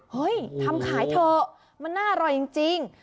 เฮ้ยทำขายเถอะมันน่าอร่อยจริง